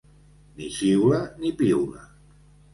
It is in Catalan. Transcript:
Ni xiula ni piula.